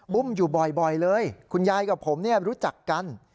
้มอยู่บ่อยเลยคุณยายกับผมรู้จักกัน